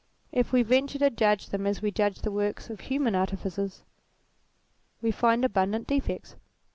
If we venture to judge them as we judge the works of human artificers, we find abundant defects.